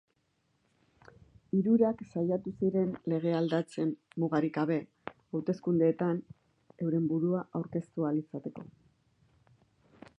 Hirurak saiatu ziren legea aldatzen mugarik gabe hauteskundeetan euren burua aurkeztu ahal izateko.